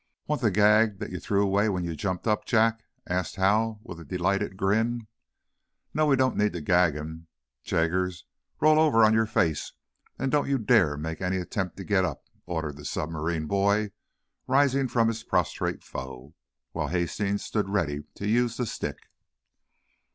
"Want the gag that you threw away when you jumped up, Jack?" asked Hal, with a delighted grin. "No; we don't need to gag him. Jaggers, roll over on your face, and don't you dare make any attempt to get up," ordered the submarine, boy, rising from his prostrate foe, while Hastings stood ready to use the stick.